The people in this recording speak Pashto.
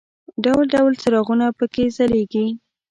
ډول ډول څراغونه په کې ځلېږي.